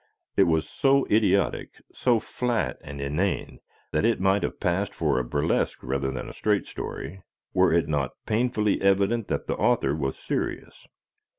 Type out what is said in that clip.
It was so idiotic, so flat and inane, that it might have passed for a burlesque rather than a straight story, were it not painfully evident that the author was serious.